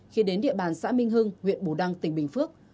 khi đến địa bàn xã minh hưng huyện bù đăng tỉnh bình phước